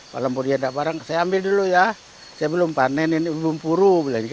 walaupun dia ada barang saya ambil dulu ya saya belum panen ini belum puru